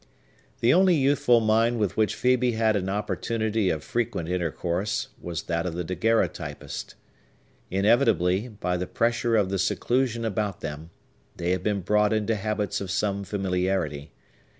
The only youthful mind with which Phœbe had an opportunity of frequent intercourse was that of the daguerreotypist. Inevitably, by the pressure of the seclusion about them, they had been brought into habits of some familiarity.